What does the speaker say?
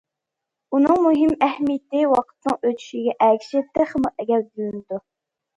ئۇنىڭ مۇھىم ئەھمىيىتى ۋاقىتنىڭ ئۆتىشىگە ئەگىشىپ تېخىمۇ گەۋدىلىنىدۇ.